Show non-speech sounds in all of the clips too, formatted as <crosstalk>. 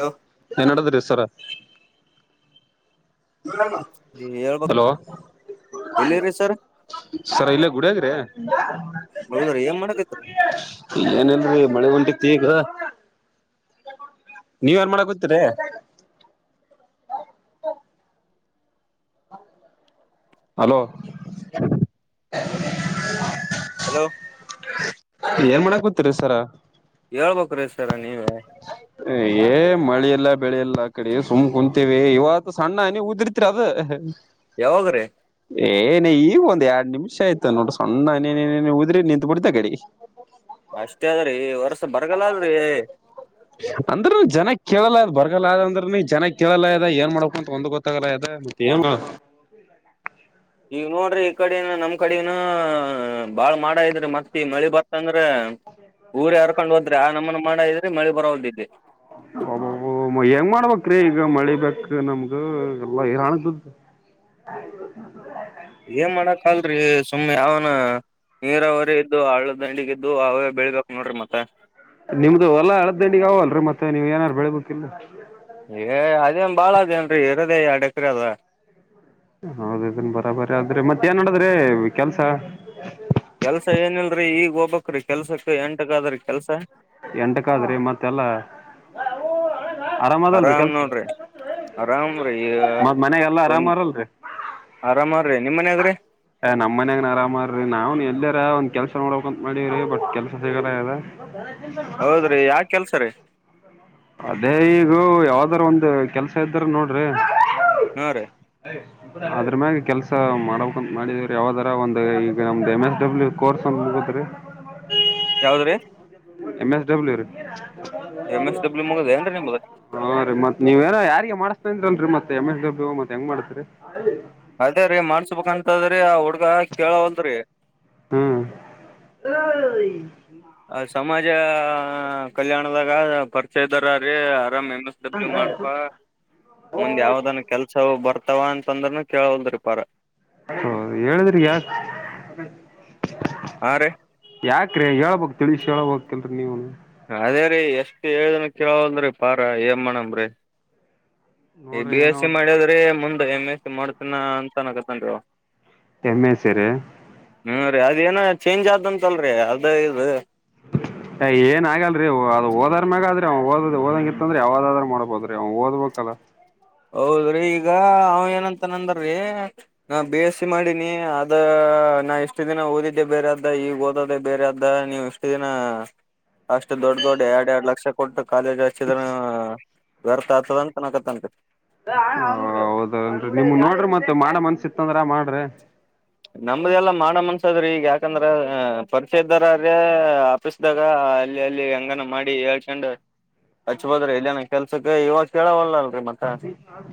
Hello. ಏನ್ಡದ್ರೀ sir. <inaudible> ಹೇಳ್ಬ hello ಎಲ್ಲಿರ್ರಿ sir. Sir ಇಲ್ಲೇ ಗುಡಿಯಗ್ರಿ. ಹೌದ್ರಿ ಏನ್ ಮಾಡಕತ್ರಿ ಏನಲ್ರರಿ ಮಳೆ ಹೊಂಟಿತಿ ಈಗ ನೀವ ಏನ್ ಮಾಡ ಕೂತ್ತೀರ. <inaudible> ಹಲೋ. ಹಲೋ. ಏನ್ ಮಾಡಾಕ್ ಕುತ್ತರಿ ಸರ. ಹೇಳ್ಬೇಕ ರೀ ಸರ ನೀವೆ. <inaudible> ಏ ಮಳೆಲ್ಲಾ ಬೆಳೆಲ್ಲ ಆ ಕಡೆ ಸುಮ್ ಕುಂತೇವಿ ಇವತ್ತು ಸಣ್ಣ ಹನಿ ಉದಿರ್ತಿರಿ ಅದ ಯಾವಾಗ್ರೀ. ಏನ ಈಗ ಒಂದ ಎರಡ್ ನಿಮಿಷ ಆಯ್ತ ನೋಡ್ರ ಸಣ್ಣ ಹನಿ ಹನಿ ಉದ್ರಿ ನಿಂತು ಬಿಡತ ಗಡೆ. ಅಷ್ಟೇ ಅದ್ರೀ ಈ ವರ್ಷ ಬರಗಲ್ಲ ಅದ್ರೀ <inaudible> ಅಂದ್ರನು ಜನ ಕೇಳಲ್ಲ್ ಬರಗಲ್ಲ ಅದ ಅಂದ್ರ ನೀ ಜನ ಕೇಳಲ್ಲ ಇದ ಏನ್ ಮಾಡಬೇಕ್ ಅಂತ ಒಂದ ಗೊತ್ತಾಗಲ್ಲ ಇದ ತಿಯಂಗ ಈವ ನೋಡ್ರಿ ಈ ಕಡಿನ ನಮ್ ಕಡಿನ ಬಾಳ್ ಮಾಡ ಇದ್ರಿ ಮತ್ತ ಈ ಮಳಿ ಬತ್ತಂದ್ರ. ಊರು ಯಾರ್ಕೊಂಡ್ ಹದ್ರೆ ನಮ್ಮನ ಮಾಡ ಇದ್ರೆ ಮಳಿ ಬರೋದಿದ್ದೆ. ಹ ಹೆಂಗ್ ಮಾಡ್ಬೆಕ್ರಿ ಈಗ ಮಳಿ ಬಕ್ ನಮ್ಗ ಎಲ್ಲಾ ರ್ ಹಾಣ್ದದ್ದ ಆ <unintelligible> ಏನ್ ಮಾಡಕ್ಲ್ರರಿ ಸುಮ್ಮ್ ಯಾವ್ನ. ನೀರಾವರಿ ಇದ್ದು ಆಳದ ದಂಡಿಗ ಇದ್ದು ಅವೇ ಬೆಳ್ಬೇಕಕ್ ನೋಡ್ರಿ ಮತ್ತೆ. ನಿಮ್ದು ಎಲ್ಲ ಅಳದ್ದಂಡಿಗೆ ಅವಲ್ರಿ ಮತ್ತೆ ನೀ ಏನಾರು ಬೆಳ್ಬೇಕಿಲ್ಲ. ಏ ಅದೇನ್ ಬಾಳ ಅದೇ ಏನ್ರರಿ ಇರದೇ ಎರಡ್ ಎಕ್ರೆ ಅದ. ಹ <unintelligible> ಹೌದನ್ ಬರಾಬರಿ ಆದ್ರೆ ಮತ್ತ ಏನ್ಡದ್ರೆ ಕೆಲ್ಸ. ಕೆಲ್ಸ ಏನಿಲ್ರರಿ ಈಗ ಹೋಗ್ಬಕ್ಕೆಲ್ಸಕ್ ಎಂಟಕ್ಕ ಆದ್ರಿ ಕೆಲ್ಸ. ಎಂಟಕಾದ್ರಿ ಮತ್ತೆಲ್ಲ. ಆರಾಮ್ ಅದಲ್ರಿ ಕೆಲ್ಸ ಆರಾಮ್ರೀ ಮದ್ ಮನೆಗೆಲ್ಲ ಆರಾಮಲ್ರಿ. ಆರಾಮ ರಿ ನಿಮ್ಮ ಮನೆಗ್ರಿ. ನಮ್ಮ ಮನ್ಯಾಗ ಆರಾಮಾರ್ರಿ ನಾವ್ನ್ ಎಲ್ದರ ಒಂದ್ ಕೆಲಸ ನೋಡಕ್ಂತ ಮಾಡೀವ್ರಿ ಬಟ್ ಕೆಲ್ಸ ಸಿಗಲ್ಲ ಅದ <unintelligible> ಹೌದ್ರಿ ಯಾವ್ ಕೆಲ್ಸ ರಿ. ಅದೇ ಈಗ ಯಾವ್ದಾರ ಒಂದು ಕೆಲ್ಸ ಇದ್ರೆ ನೋಡ್ರಿ. ಹಾ ರೀ. ಅ <unintelligible> ಅದ್ರ ಮ್ಯಾಗ ಕೆಲ್ಸ ಮಾಡಕ್ಂತ ಮಾಡಿದವರಿ ಯಾವದಾರ ಒಂದ್ ಈಗ ನಮ್ದ್ ಎಮ್ ಎಸ್ ಡಬ್ಲ್ಯೂ ಕೋರ್ಸ್ ಅಂತ ಯವ್ದ್ರೀ. ಎಂ ಎಸ್ ಡಬ್ಲ್ಯೂ ರಿ. ಎಮ್ ಎಸ್ ಡಬ್ಲ್ಯೂ ಮುಗದ ಏನ್ರಿ ನಿಮ್ದ ಹ ರೀ ಮತ್ ನೀವ ಏನೋ ಯಾರಿಗೆ ಮಾಡಿಸಸ್ತಾನಲ್ರಿ ಮತ್ ಎಂ ಎಸ್ ಡಬ್ಲ್ಯೂ ಮತ್ತ್ ಹೆಂಗ ಮಾಡತ್ರಿ. ಅದೇ ರಿ ಮಾಡನ್ಸ್ಬೇಕಂತದ್ರಿ ಆ ಹುಡ್ಗ ಕೇಳವಲ್ರಿ. ಹ್ಮ್ ಹೆ ಐ. ಅ ಸಮಾಜ ಕಲ್ಯಾಣದಾಗ ಪರ್ ಇದ್ದಾರ ರೀ ಆರಾಮ್ ಎಮ್ ಎಸ್ ಡಬ್ಲ್ಯೂ ಮಾಡ್ಪಾ. ಮುಂದ್ ಯಾವ್ದನ್ ಕೆಲ್ಸವು ಬರ್ತಾವ ಅಂತಂದ್ರನು ಕೇಳಲ್ದ್ರಿ ಪರ. ಹ ಹೇಳಿದ್ರಿ ಯಾ ಹಾ ರೀ ಯಾಕ್ರೆ ಹೇಳ್ಬಬೇಕ್ ತಿಳಿಸಿ ಹ ಹೇಳ್ಬಬೇಕಲ್ರಿ ನೀವು. ಅದೇ ರೀ ಎಷ್ಟ್ ಹೇಳಏ್ದನ್ ಕೆಳವಲ್ದ್ರಿ ಪಾರ ಏನ್ ಮಾಡಣನ ಬಿಡಿ. ಈ ನೋಡ್ರಿ ಬಿ ಎಸ್ ಏನೋ ಸಿ ಮಾಡ್ಯದ್ರೆ ಮುಂದೆ ಎಮ್ ಎಸ್ ಸಿ ಮಾಡ್ತನ ಅಂತನಕತ್ತನ್ರಿವ. ಎಮ್ ಎಸ್ಸಿ ರಿ. ಹ್ಮ್ ರಿ ಅದೇಏನ ಚೇಂಜ್ ಆದಂತಲ್ರರಿ ಅದ ಇದು. <inaudible> ಏನ್ ಆಗಲ್ರಿ ಅದು ಓದರ ಮ್ಯಾಗಾದ್ರಿ ಅವ್ ಓದ್ ಓದಂಗಿತ್ತಂದ್ರೆ ಯಾವದ್ರರು ಮಾಡ್ಬದ್ರಿ ಅವ್ ಓದಬೇಕಲ್ಲ. ಹೌದ್ರಿ ಈಗ ಅವ ಏನಂತ ನಂದ್ರಿ. ನಾ ಬಿ ಎಸ್ ಸಿ ಮಾಡಿನಿ ಅದ ನಾ ಎಷ್ಟು ದಿನ ಓದಿದ್ದೆ ಬೇರೆ ಅದ ಈಗ ಓದದೇ ಬೇರೆ ಅದ್ದ ನೀವುಷ್ಟ. ದಿನ ಅಷ್ಟು ದೊಡ್ಡ ದೊಡ್ ಎರಡ್ ಎರಡು ಲಕ್ಷ. ಕೊಟ್ಟು ಕಾಲೇಜ್ ಹಷ್ಟಿದ ವ್ಯರ್ಥ ಆಗ್ತದ ಅಂತ ಅನಕತ್ ಅನ್ಪತಿ. ಹ ಹೌದನ್ರಿ ನಿಮ್ ನೋಡ್ರಿ ಮತ್ ಮಾಡ ಮನ್ಸಿತ್ ಅಂದ್ರ ಮಾಡ್ರಿ. ನಮ್ದ ಎಲ್ಲಾ ಮಾಡಮನ್ಸದ್ರಿ ಈಗ ಯಾಕಂದ್ರ ಪರಿಚಯದಾರದ್ರೆ. ಸುಸ್ದಾಗ ಅಲ್ಲಿ ಅಲ್ಲಿ ಎಂಗನ ಮಾಡಿ ಏಳ್ಕೆಂಡು. ಹಚ್ಬೋದ್ರಿ ಇಲ್ಲೇನ ಕೆಲ್ಸಕ್ಕೆ ಇವಾ ಕೇಳವಲಲ್ರಿ ಮತ್ತೆ. ಹದು.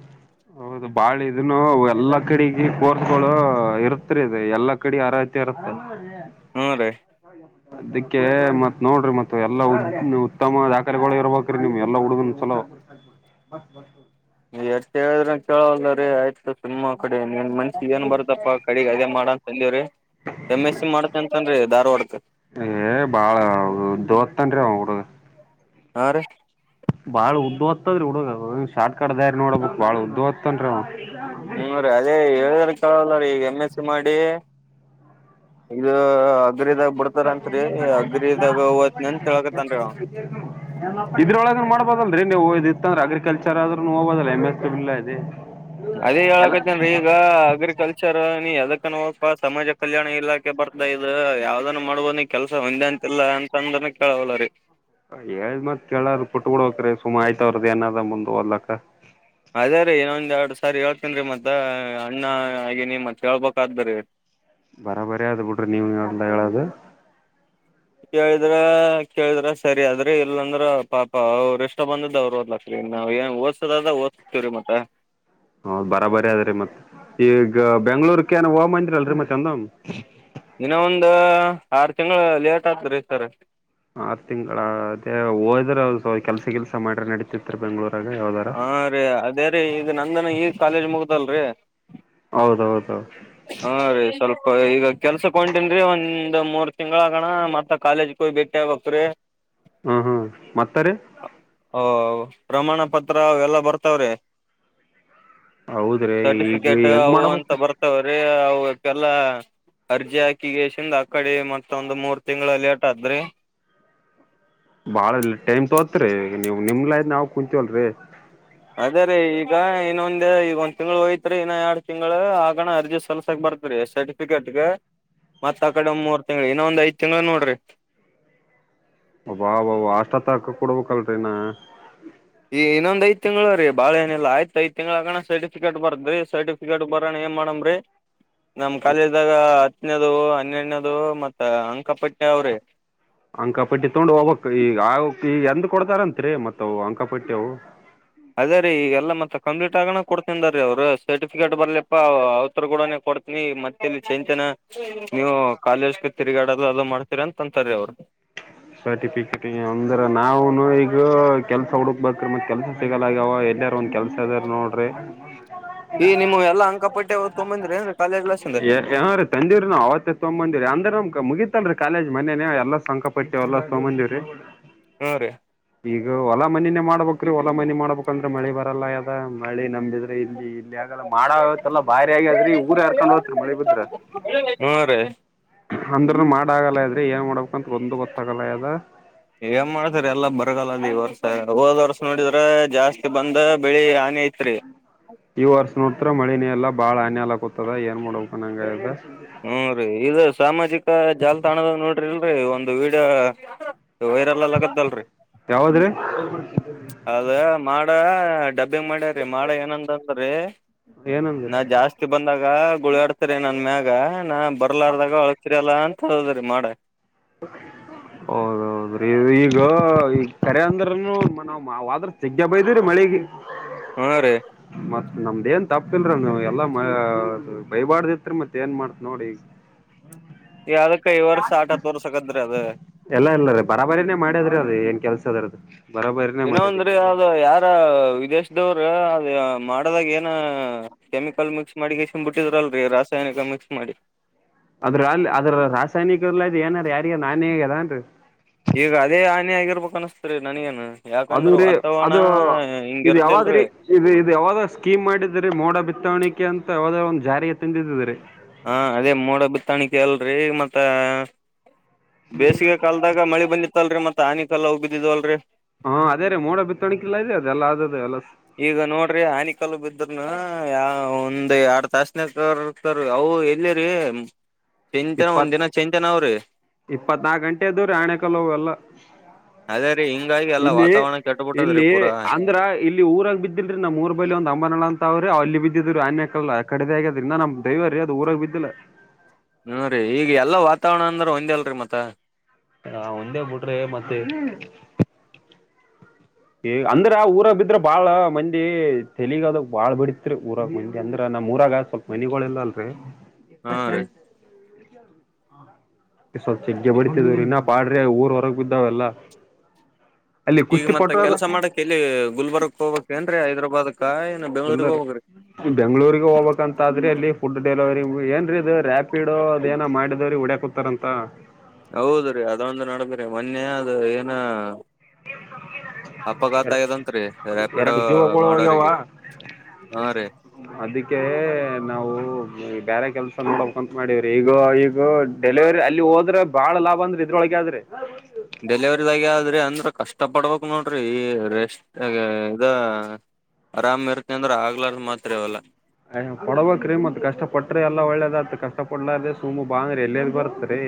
ಹೌದು ಬಾಳ ಇದುನು ಎಲ್ಲಾ ಕಡಿಗಿ ಕೋರ್ಸ್ಗಳು ಇರುತ್ರಿ ಇದು ಎಲ್ಲಾ ಕಡಿ ಹರಹತೆ ಇರತ್ತ. <inaudible> ಹೂ ರೀ. <inaudible> ಅದಿಕ್ಕೆ ಮತ್ ನೋಡ್ರಿ ಮತ್ ಎಲ್ಲಾ ಉತ್ತಮ ದಾಖಲೆಗಳು ಇರ್ಬೇಕ್ರೀ ನಿಮ್ಗೆ ಎಲ್ಲಾ ಹುಡುಗುನ್ ಚಲೋ. <inaudible> ಎಷ್ಟ್ ಹೇಳಿದ್ರು ಅವ್ನ್ ಕೇಳಲ್ಲ ರೀ ಆಯ್ತು. ನಿಮ್ಮ ಕಡೆ ನಿಮ್ ಮನ್ಸಿಗ್ ಏನ್ ಬರುತಪ್ಪ ಕಡಿಗ್ ಅದೇ ಮಾಡು ಅಂತಂದಿವ್ರಿ. ಎಮ್ ಎಸ್ ಸಿ ಮಾಡ್ಕಂತನ್ರಿ ದಾರ್ವಡಕ. ಹೇ ಬಾಳ ದೊತಂನ್ರೀ ಅವ ಹುಡುಗ. ಹಾ ರೀ. ಬಾಳ ಉದೋತದ್ರಿ ಹುಡುಗದು ಶಾರ್ಟ್ ಕಟ್ ದಾರಿ ನೋಡಬುಟ್ ಬಾಳ ಉದೋತನ್ರಿ ಅವ. ಹ್ಮ್ ಅದೇ ಹೇಳದು ಕೆಳಲ್ಲ ರೀ ಇಗ್ ಎಂ ಎಸ್ ಸಿ ಮಾಡಿ. ಇದು ಅಗ್ರಿದಾಗ ಬಿಡ್ತಾರಂತ್ರಿ ಅಗ್ರಿದಾಗ್ ಒತ್ನಿ ಅಂತ್ ಹೇಳಕತ್ತನ್ರಿ ಅವ. <inaudible> ಇದ್ರೊಳಗುನು ಮಾಡ್ಬದಲ್ರಿ ನೀವು ಇದ್ ಇತಂದ್ರ ಅಗ್ರಿಕಲ್ಚರಾದ್ರುನು ಹೋಗ್ಬವ್ದಲ್ಲ ಎಮ್ ಎಸ್ ಸಿ ಇರ್ಲುಲಾದ್ರಿ. ಅದೇ ಹೇಳಕತೀನ್. ಈಗ ಅಗ್ರಿಕಲ್ಚರ ನೀ ಯದಕ್ಕನ ಒಕ್ಕ ಸಮಾಜ ಕಲ್ಯಾಣ ಇಲಾಖೆ ಬರ್ತಾದ ಇದು ಯಾವ್ದನು ಮಾಡ್ಬವ್ದ್ನೀ. ಕೆಲ್ಸ ಒಂದೆ ಅಂತಿಲ್ಲ ಅಂತಂದ್ರನು ಕೇಳವಲ್ಲ ರೀ. ಹೇಳ್ ಮತ್ ಕೇಳಾರ್ ಪುಟ್ ಬುಡ್ಬಕ್ರಿ ಸುಮ ಅವ್ರ್ದ್ ಏನದ ಮುಂದ್ ಒದ್ಲಾಕ. ಅದೇ ರೀ ಇನ್ನೊಂದ್ ಎರಡ್ ಸಾರಿ ಹೇಳ್ತನ್ ರೀ ಮತ್ತ ಅಣ್ಣ ಆಗಿನಿ ಮತ್ ಹೇಳ್ಬಕಾದ್ರಿ. ಬರಾ ಬರಿ ಅದ್ ಬಿಡ್ರಿ ನೀವ್ ಇಂಗಂತ ಹೇಳದು. ಕೇಳಿದ್ರ ಕೇಳಿದ್ರ ಸರಿ ಅದ್ರ್ ಇಲ್ಲಂದ್ರ ಪಾಪ ಅವ್ರ ಇಷ್ಟ ಬಂದುದ್ ಅವ್ರು ಒದ್ಲಪ. ಇನ್ ನಾವ್ ಏನ್ ಒದ್ಸದದ ಒದ್ಸ್ತಿವ್ರಿ ಮತ್ತ. ಹೌದ್ ಬರಾ ಬರಿ ಅದ್ರೀ ಮತ್ ಈಗ ಬೆಂಗ್ಳೂರ್ ಕೇನ ಹೋಗಮಂದ್ರಾಲ್ರಿ ಮತ್ ಎಂದಂ. ಇನ ಒಂದು ಆರ್ ತಿಂಗ್ಳು ಲೇಟ್ ಆತ್ರಿ ಸರ. ಆರ್ ತಿಂಗ್ಳ ಅದೇ ಹೋದ್ರ ಕೆಲ್ಸ ಗಿಲ್ಸ ಮಾಡ್ರಿ ನಡಿತಿತ್ರಿ ಬೆಂಗ್ಳೂರಾಗ ಯಾವ್ದಾರ. ರಿ ಅದೇ ರೀ ಇಗ್ ನಂದನ ಇಗ್ ಕಾಲೇಜ್ ಮುಗುದಲ್ರಿ. ಹೌದೌದೌದು. ಹಾ ರೀ ಸ್ವಲ್ಪ ಇಗ ಕೆಲ್ಸುಕ್ ಒಂಟೆನ್ರಿ ಒಂದ ಮೂರ್ ತಿಂಗ್ಳ ಅಗಣ ಮತ್ತ ಕಾಲೇಜ್. <unintelligible> ಹ್ಮ ಹ್ಮ್ ಮತ್ತ ರೀ. ಒ ಪ್ರಮಾಣ ಪತ್ರ ಅವೆಲ್ಲಾ ಬರ್ತವ್ರಿ. ಹೌದ್ರಿ ಈಗ ಸರ್ಟಿಫಿಕೇಟ ಹೆಂಗ್ ಅವು ಅಂತ ಮಾಡ್ಬೇಕ ಬರ್ತವ್ರೀ ಅವು. ಅವುಕೆಲ್ಲ ಅರ್ಜಿ ಹಾಕಿಗೆೇಶಿಂದ್ ಆಕಡಿ ಮತ್ ಒಂದ್ ಮೂರ್ ತಿಂಗ್ಳ ಲೇಟದ್ರಿ. ಬಾಳ ಟೈಮ್ ತೋತ್ರಿ ಇಗ ನೀವ್ ನಿಮ್ಲಯ್ ನಾವ್ ಕುಂತಿವಲ್ರಿ. ಅದೇ ರೀ ಈಗ ಇನ್ನೊಂದ್ ಇಗೊಂದ್ ತಿಂಗ್ಳು ಒತ್ರಿ ಇನ್ನ ಎರಡ್ ತಿಂಗ್ಳು ಆಗಣ ಅರ್ಜಿ ಸಲ್ಸಕ್ ಬರ್ತ್ರಿ ಎಸ್ ಕ್ರಿಕೆಟ್ಗೆ ಮತ್ ಅಕಡೆ ಮೂರ್ ತಿಂಗ್ಳು ಇನ್ನು ಒಂದ್ ಐದ್ ತಿಂಗ್ಳು ನೋಡ್ರಿ. ಒಬಾ ಬ ಬ ಅಷ್ಟ ತಕ ಕೊಡ್ಬಕಲ್ರಿ ನಾ. ಈ ಇನ್ನೊಂದ್ ಐದ್ ತಿಂಗ್ಳ ರೀ ಬಾಳ್ ಏನಿಲ್ಲ ಆಯ್ತ್ ಐದ್ ತಿಂಗ್ಳಗನ ಸರ್ಟಿಫಿಕೇಟ್ ಬರ್ತ್ರಿ ಸರ್ಟಿಫಿಕೇಟ್ ಬರಣ ಏನ್ ಮಾಡಮ್ರೀ. <inaudible> ನಮ್ ಕಾಲೇಜ್ದಾಗ ಹತ್ನೇದು ಹನ್ನೆನೇದು ಮತ್ತ ಅಂಕಪಟ್ಣಿ ಅವ್ರೀ. ಅಂಕಪಟ್ಟಿ ತಗೊಂಡು ಹೋಗಬಕ್ ಈಗ ಆಕ್ ಈ ಎಂದ ಕೊಡದಾರಂತ್ರಿ ಮತ್ತವು ಅಂಕಾಪಟ್ಟಿ ಅವು. ಅದೇ ರೀ ಈಗಲ್ಲ ಮತ್ತ ಕಂಪ್ಲೀಟ್ ಆಗಣ ಕೊಡ್ತನ್ ರೀ ಅವರು ಸರ್ಟಿಫಿಕೇಟ್ ಬರ್ಲಿಪ್ಪ ಅವರ ಕೂಡ ಕೊಡ್ ನೀ ಮತ್ತ ಇಲ್ಲಿ ಚನ್ ತನ ನೀವು ಕಾಲೇಜ್ಗೆ ತಿರುಗಾಡದು ಅದು ಮಾಡ್ತೀರಿ ಅಂತ ಅಂತಾರೀ ಅವ್ರ. ಸರ್ಟಿಫಿಕೇಟ್ ಅಂದ್ರ ನಾವನು ಈಗ ಕೆಲ್ಸ ಹುಡುಕ್ಬೇಕ್ರ ಮತ್ತ ಕೆಲ್ಸ ಸಿಗಲಾಗ್ಯಾವ ಅವ ಎಲ್ಲರ ಒಂದ ಕೆಲಸ ಇದ್ರ ನೋಡ್ರಿ. ಎ ನಿಮುವ ಎಲ್ಲ ಅಂಕಪಟ್ಟಿ ಅವ್ ತೊಗೊ ಬಂದ್ರಿ ಏನ್ ಕಾಲೇಜ್ ಕ್ಲಾಸ್ ದಿಂದ್. ಹಾನ್ ರೀ ತಂದ್ವಿರಿ ನವು ಅವತ್ತ ತೊಗ ಬಂದ್ವಿರಿ ಅಂದ್ರೆ ನ್ ಮುಗಿತ ಅಲ್ರಿ ಕಾಲೇಜ ಮೋನೆನ್ನೆ ಎಲ್ಲ ಸಂಕಲ್ಪ ಪಟ್ಟಿ ಅವೆಲ್ಲ ತಗೋಬಂದ್ವರೀ. ಹ್ಮ ರೀ. ಈಗ ಹೊಲ ಮನಿನೇ ಮಾಡ್ಬೇಕ್ರೀ ಹೊಲ ಮನಿ ಮಾಡ್ಬೇಕಂದ್ರೆ ಮಳಿ ಬರಲ್ಲ ಆಗ್ಯದ ಮಳಿ ನಮ್ದಿದ ಇಲ್ಲಿ ಇಲ್ಲಿ ಆಗಲ್ಲ ಮಾಡ ಐತ್ತಲ್ಲಾ ಭಾರಿ ಆಗ್ಯದ್ರೀ ಊರ್ ಹರ್ಕೊಂಡ್ ಹೋತ್ರಿ ಮಳಿ ಬಿದ್ರ. ಹ್ಮ ರೀ. ಅಂದ್ರ್ನು ಮಾಡಾಗಲ್ಲ ಇದ್ರೆ ಏನ್ ಮಾಡ್ಬೇಕಂತ ಒಂದು ಗೊತ್ತಾಗಲ್ಲದ. ಏನ್ ಮಾಡ್ತರಿ ಎಲ್ಲಾ ಬರಗಲ್ಲದ ಈ ವರ್ಷ ಹೋದ್ ವರ್ಷ ನೋಡಿದ್ರ ಜಾಸ್ತಿ ಬಂದ ಬೆಳಿ ಹಾನಿ ಐತ್ರಿ. ಈ ವರ್ಷ ನೋಡ್ತ ಮಳಿನ ಇಲ್ಲ ಬಾಳ ಹನಿಯಾಲ ಕುೂತದ ಏನ್ ಮಾಡಬೇಕ ನಂಗ ಹ್ಮ ರೀ ಇ ಸಾಮಾಜಿಕ ಜಾಲತಾಣದ ನೋಡ್ರಿಲ್ರರಿ ಒಂದು ವೀಡಿಯೋ. ವೈರಲ ಅಗಲಕತ್ತಲರಿ. ಯಾವದ್ರಿ. ಅದ ಮಾಡ ಡಬ್ ಮಾಡ್ಯೀ ಮಾಡ ಏನಂತಂದ್ರೆ ಏನಂದ್ರಿ ನಾ ಜಾಸ್ತಿ ಬಂದಾಗ ಗುಳಾಡ್ತರಿ ನನ್ ಮ್ಯಾಗ ನಾ ಬರ್ಲಾರ್ದಾಗ ಅಳಗ್ತಿರಿಲ್ಲಾ ಅಂತ ಅದ್ರಿ ಮಾಡ. <inaudible> ಹೌದೌದ್ರೀ ಈಗ ಈ ಕರೆ ಅಂದ್ರನು ನಾವದ್ರ ಸಿಗ್ಗೆ ಬಿದ್ರೀ ಮಳಿಗೆ. <inaudible> ಹಾ ರೀ. ಮತ್ ನಮ್ದ ಏನ್ ತಪ್ಪಿಲ್ರ ನೀ ಎಲ್ಲಾ ಮ ಬೈಬಾರ್ದಿತ್ರಿ ಮತ್ ಏನ್ ಮಾಡ್ತ್ ನೋಡಿ ಈಗ. ಯಾವದಕ್ಕೈ ವರ್ಷ ಆಟ ಹತ್ ವರ್ಸಕತ್ರಿ ಅದು. ಎಲ್ಲಾ ಇಲ್ಲದ ಬರಾಬಾರಿನೇ ಮಾಡ್ಯದ್ರಿ ಅ್ರ ಏನ್ ಕೆಲ್ಸ ಅದರದದು ಬರಾಬಾರಿನೇ ಏನೋ ಮಾಡ್ಯದ. ಅಂದ್ರಿ ಯಾರ ಅದ ವಿದೇಶದವ್ರ ಅದ ಮಾಡದಾಗ ಏನ. ಕೆಮಿಕಲ್ ಮಿಕ್ಸ್ ಮಾಡಿ ಕಸಿನ್ ಬಿಟ್ಟಿದ್ರಲ್ರರಿ ರಾಸಾಯನಿಕ ಮಿಕ್ಸ್ ಮಾಡಿ. ಅದ್ರ ಅಲ್ಲ ಅದ್ರ ರಾಸಾಯನಿಕಲ್ಲ ಏನಾರ ಯಾರಗ ನಾನನ್ ಅದನ ರಿ. ಈಗ ಅದೇ ಆನೆ ಆಗಿರ್ಬೇಕು ಅನಸ್ತ ರೀ ನನಗೇನು. ಅದು ಯಾಕಂದ್ರ ರೀ ವಾತಾವರಣ ಅದು ಹಿಂಗ ಇದು ಯಾವಾಗ್ರೀ ಇರ್ದಿಲ್ರಿ. ಇದು ಇದು ಯಾವದೋ ಸ್ಕೀಮ ಮಾಡಿದರಿ ಮೋಡ ಬಿತ್ತವಣಿಕೆ ಅಂತ ಯಾವದೋ ಒಂದು ಜಾರಿಗೆ ತಿಂದಿದ್ದರಿ. ಹಾ ಅದೇ ಮೋಡ ಬಿತ್ತಾಣಿಕ ಅಲ್ರೀ ಮತ್ತ ಬೇಸಿಗೆ ಕಾಲ ಇವಾಗ್ ಮಳಿ ಬಂದಿತ್ತಲ್ರರಿ ಮತ್ತ ಆನಿಕೆಲ್ಲ ಅವ ಬಿದ್ವಿಲ್ರರಿ. ಹಾ ಅದೇ ರಿ ಮೋಡ ಬಿತ್ತಣಕಿಲ್ಲಾ ಇದೆ ಅದೆಲ್ಲ ಅದದು ಎಲ್ಲ. ಈಗ ನೋಡ್ರಿ ಆನಿಕಲ್ಲು ಬಿದ್ರನು ಒಂದ್ ಎರಡ್ ತಾಸನಕ್ ಅವು ಎಲ್ಲಿ ರೀ. <inaudible> ಚಿಂತನ ಒಂದಿನ ಚಿಂತನ ಅವ್ರರಿ. ಇಪ್ಪತ್ನಾಕು ಗಂಟೆ ಅದು ರಾಣೆಕಲ್ಲ ಅವೆಲ್ಲ. ಅದೇ ರೀ ಹಿಂಗಾಗಿ ಎಲ್ಲಾ ವಾತಾವರಣ ಕೆಟ್ಟಬಿಟ್ಟದ್ರೀ ಇಲ್ಲಿ ಪೂರಾ. ಅಂದ್ರ ಇಲ್ಲಿ ಊರಾಗ ಬಿದ್ದಿಲ್ರಿ ನಮ್ಮ ಊರ್ ಬಳಲಿ ಒಂದ ಅಂಬನಳ ಅಂತ ಅವ್ರಿ ಅಲ್ಲಿ ಬಿದ್ದಿದ್ರು ಆನ್ಯ ಕ ಆ ಕಡೆದ ಆಗದ್ರಿಂದ ನಮ್ ಡ್ರವರ್ರಿ ಅದು ಊರಾಗ ಬಿದ್ದಿಲ್ಲ. ಹೂ ರೀ ಈಗ ಎಲ್ಲಾ ವಾತಾವರಣ ಅಂದ್ರೆ ಒಂದ್ ಅಲ್ರರಿ ಮತ್ತೆ ಹ ಒಂದೇ ಬೂಡ್ರೀ ಮತ್ತೆ ಅಂದ್ರ ಊರ ಬಿದ್ರ ಬಾಳ ಮಂದಿ ತೆಲಿಗದ ಬಾಳ್ ಬಿಡ್ತ್ರಿ ಊರ ಮಂದಿ ಅಂದ್ರೆ ನಮ್ಮ್ ಊರಾಗ ಸ್ವಲ್ಪ ಮನೆಗಳು ಇಲ್ಲ ಅಲ್ರರಿ ಹಾ ರೀ ಸ ಚ ಬ <unintelligible> ಇನ್ನ ಪಾಡ್ರಿ ಊರ್ ಹೊರಗೆ ಬಿದ್ದಾವೆಲ್ಲ ಅಲ್ಲಿ ಕುಸ್ತಿ ಪಟು <unintelligible> ಇಲ್ಲಿ ಗುಲ್ಬರ್ಗ್ ಹೋಗ್ಬೇಕ್ ಏನ್ ರೀ ಹೈದ್ರಾಬಾದ್ ಕಾ ಇಲ್ಲಾ ರೀ ಬೆಂಗಳೂರಿಗೆ ಹೋಗ್ಬೇಕಂತಾದ್ರೆ ಅಲ್ಲಿ ಫುಡ್ ಡೆಲಿವರಿ ಏನ್ರೀ ಇದು ರಾಪಿಡೋ ಅದೇನೋ ಮಾಡಿದವ್ರೀಗೆ ಒಡ್ಯಕ್ ತರಂತ ಹೌದ್ರೀ ಅದೊಂದು ನಡದ್ರೀ ಮೊನ್ನೆ ಅದು ಏನ್ನ ಅಪಘಾತ ಆಗ್ಯಾದಂತ್ರಿ ರಾಪಿಡೋ ಎರಡು ಜೀವಗಳು ಹೋಗ್ಯಾವ ಮಾಡೋರಿಗೆ. ಹಾ ರೀ ಅದಕ್ಕೆ ನಾವು ಬೇರೆ ಕೆಲಸ ನೋಡಕ್ ಅಂತ ಮಾಡವ್ರಿ ಈಗ ಈಗ ಡೆಲಿವರಿ ಅಲ್ಲಿ ಹೋದ್ರೆ ಬಾಳ ಲಾಭ ಅಂದ್ರೆ ಇದ್ರೊಳಗ ಆದ್ ರೀ ಡೆಲಿವರಿದಾಗೆ ಆದ್ರಿ ಅಂದ್ರ ಕಷ್ಟ ಪಡ್ಬೇಕ್ ನೋಡ್ರಿ ರೆಸ್ ಇದ್ ಆರಾಮ್ ಇರ್ತ್ತೆ ಅಂದ್ರೆ ಆಗ್ಲಾರ್ದ ಮಾತು ರೀ ಎಲ್ಲಾ ಅಯ ಪಡ್ಬಕ್ ರೀ ಮತ್ ಕಷ್ಟಪಟ್ರಿ ಎಲ್ಲಾ ಒಳ್ಳೇದತ್ ಕಷ್ಟ ಪಡ್ಲಾರ್ರೆ ಸುಮು ಬಾ ಅಂದ್ರಿ ಎಲ್ಲಲ್ ಬರ್ತ್ರಿ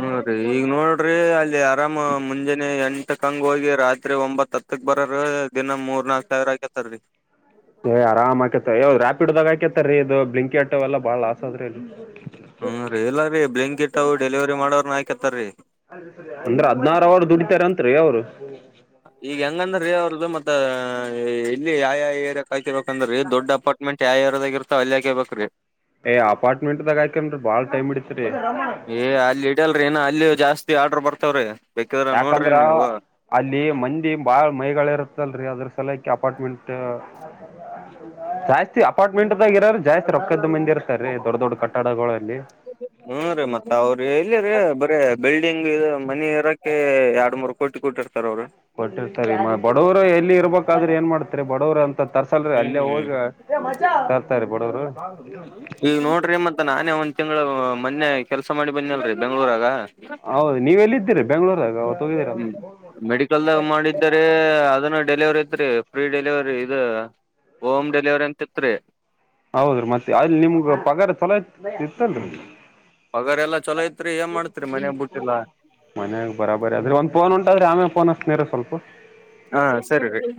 ಹ್ಮ್ ರೀ ಈಗ ನೋಡ್ರಿ ಅಲ್ಲಿ ಆರಾಮ್ ಮುಂಜಾನೆ ಎಂಟುಕಂಗ್ ಹೋಗಿ ರಾತ್ರಿ ಒಂಬತ್ತ್ ಹತ್ತ್ ಕ ಬರೋರು ದಿನ ಮೂರ್ ನಾಲ್ಕ್ ಸಾವಿರ ಆಕತಾರೀ ಏ ಆರಾಮ್ ಆಕೇತಾರ್ ರೀ ರಾಪಿಡ್ದಾಗ ಹಾಕೇತ ರೀ ಇದು ಬ್ಲಿಂಕೆಟ್ ಎಲ್ಲಾ ಬಾಳ ಲಾಸ್ ಅದ್ರೀ ಅದು ಹ್ಮ್ ರೀ ಇಲ್ಲಾ ರೀ ಬ್ಲಾಂಕಿಟ್ ಅವು ಡೆಲಿವರಿ ಮಾಡೋವರ್ನ ಹಾಕತ್ತಾರ್ ರೀ ಅಂದ್ರೆ ಹದ್ನಾರು ಅವರ್ ದುಡಿತಾರಂತ್ ರೀ ಅವರು ಹ್ಮ ಈಗ ಹೆಂಗಂದ್ರೆ ಅವ್ರದ್ದು ಮತ್ತೆ ಇಲ್ಲಿ ಯಾ ಯಾ ಏರೀಯಾ ಕಾಯ್ತಿರ್ಬೇಕಂದ್ರೆ ದೊಡ್ಡ ಪಟ್ಟ್ ಮೆಂಟ್ ಯಾ ಏರೀಯಾದಾಗ ಇರತೋ ಅಲ್ಲಿ ಯಾಕ ಬೇಕ್ರೀ. ಏ ಅಪಾರ್ಟ್ಮೆಂಟ್ ದಾಗ ಆಕೇನ್ರಿ ಬಾಳ್ ಟೈಮ್ ಇಡತ್ ರೀ ಏ ಅಲ್ಲಿ ಇಡಲ್ ರೀ ಅಲ್ಲಿ ಇನ್ನ ಜಾಸ್ತಿ ಆರ್ಡರ್ ಬರ್ತವ್ರೀ. ಯಾಕಂದ್ರ ಅಲ್ಲಿ ಮಂದಿ ಬಾಳ ಮೈಗಳ ಇರುತ್ತಲ್ರಿ ಅದ್ರ ಸಲಕ ಅಪಾರ್ಟ್ಮೆಂಟ್ ಜಾಸ್ತಿ ಅಪಾರ್ಟ್ಮೆಂಟ್ ದಾಗ ಇರೋರ್ ಜಾಸ್ತಿ ರೊಕ್ಕದ ಮಂದಿ ಇರ್ತಾರೀ ದೊಡ್ಡ ದೊಡ್ಡ ಕಟ್ಟಡಗಳಲ್ಲಿ ಹ್ಮ ರೀ ಮತ್ತ ಅವ್ರ ಇಲ್ಲಿ ರೀ ಬರೀ ಬಿಲ್ಡಿಂಗ್ ಇ ಮನಿ ಇರಕ್ಕೆ ಎರಡ್ ಮೂರ್ ಕೋಟಿ ಕೊಟಿರ್ ತಾರ್ ಅವರು ಕೊಟ್ಟಿರ್ತಾರೆ ಇನ್ನ ಬಡವರು ಎಲ್ಲಿ ಇರ್ಬೇಕಾದ್ರೆ ಏನ್ ಮಾಡ್ತಾರೆ ಬಡವರು ಅಂತ್ ಮ ತರ್ಸಲ್ರಿ ಹ್ಮ್ ಅಲ್ಲೇ ಹ್ಮ್ ಹೋಗಿ ತರ್ತಾರೀ ಬಡೋರು ಈಗ ನೋಡ್ರಿ ಮತ್ತೆ ನಾನೇ ಒಂದ್ ತಿಂಗಳು ಮೊನ್ನೆ ಕೆಲಸ ಮಾಡಿ ಬನ್ನಿಲ್ರರೀ ಬೆಂಗ್ಳೂರಾಗ ಹೌದು ನೀವ್ ಎಲ್ಲಿದ್ದೀರಿ ಬೆಂಗ್ಳೂರಾಗ ಅವತ್ ಹೋಗಿದೀರಲ್ಲ. ಹ್ಮ್ ಮೆಡಿಕಲ್ದಾಗ ಮಾಡಿದರೆ ಅದನ್ನ ಡೆಲಿವರಿ ಐತ್ರಿ ಫ್ರೀ ಡೆಲಿವರಿ ಇದೂ ಹೋಮ್ ಡೆಲಿವರಿ ಅಂತಿತ್ ರೀ ಹೌದ್ರೀ ಮತ್ತೆ ಅಲ್ಲಿ ನಿಮಗ್ ಪಗಾರ ಚಲೋ ಇ ಇತ್ತಲ್ರಿ ಪಗಾರ್ ಎಲ್ಲಾ ಚೊಲೋ ಇತ್ರಿ ಏನ್ ಮಾಡ್ತ್ರೀ ಮನಯಾಗ ಬುಟ್ಟಿಲ್ಲಾ. ಮನ್ಯಾಗ ಬರಬರಿ ಅದ್ ರೀ ಒಂದು ಫೋನ್ ಉಂಟ್ ರೀ ಆಮೇಲೆ ಫೋನ್ ಹಚ್ಚತ್ತೀನಿ ಇರು ಸ್ವಲ್ಪ ಹಾ ಸರಿ ರೀ